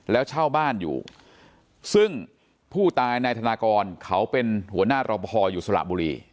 แล้วเช่าบ้านอยู่ซึ่งผู้ตายนายธนากรเขาเป็นหัวหน้ารอปภอยู่สระบุรี